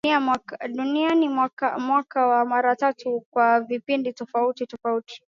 Duniani wa mwaka mara tatu kwa vipindi tofauti tofauti